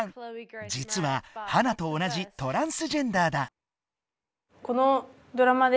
じつはハナと同じトランスジェンダーだ。